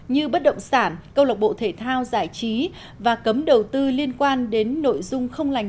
như bất động sản câu lạc bộ thể thao giải trí và cấm đầu tư liên quan đến nội dung không lành